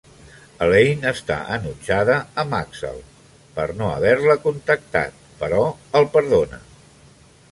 Elaine està enutjada amb Axel per no haver-la contactat, però el perdona.